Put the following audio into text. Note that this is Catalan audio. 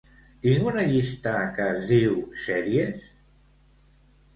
Tinc una llista que es diu "sèries"?